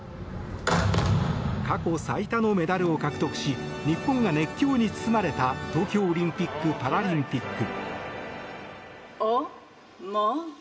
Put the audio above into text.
過去最多のメダルを獲得し日本が熱狂に包まれた東京オリンピック・パラリンピック。